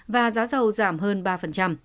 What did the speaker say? và giá dầu giảm hơn ba